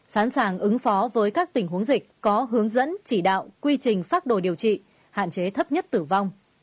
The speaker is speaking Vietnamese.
sẵn sàng ứng phó với các tình huống dịch có hướng dẫn chỉ đạo quy trình phác đồ điều trị hạn chế thấp nhất tử vong